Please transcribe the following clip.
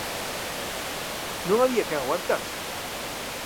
Non había quen aguantase!